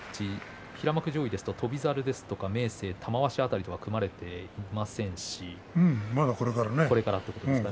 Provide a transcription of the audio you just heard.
まだ平幕上位ですと翔猿ですとか明生、玉鷲辺りと組まれていませんし。